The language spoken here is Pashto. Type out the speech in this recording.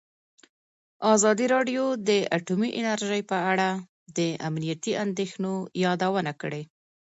ازادي راډیو د اټومي انرژي په اړه د امنیتي اندېښنو یادونه کړې.